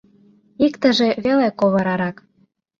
Иктыже веле ковырарак.